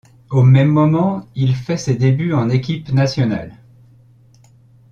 Au même moment il fait ses débuts en équipe nationale.